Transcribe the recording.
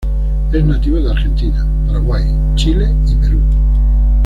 Es nativo de Argentina, Paraguay, Chile y Perú.